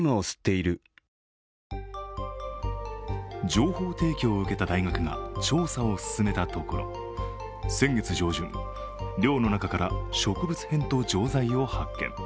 情報提供を受けた大学が調査を進めたところ、先月上旬、寮の中から植物片と錠剤を発見。